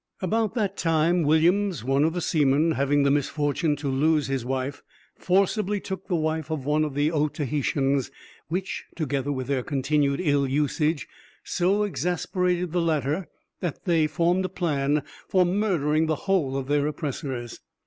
About that time Williams, one of the seamen, having the misfortune to lose his wife, forcibly took the wife of one of the Otaheitans, which, together with their continued ill usage, so exasperated the latter, that they formed a plan for murdering the whole of their oppressors.